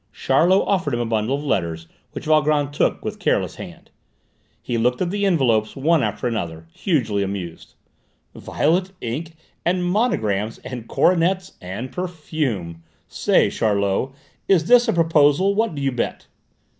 Charlot offered him a bundle of letters, which Valgrand took with careless hand. He looked at the envelopes one after another, hugely amused. "Violet ink, and monograms, and coronets, and perfume. Say, Charlot, is this a proposal? What do you bet?"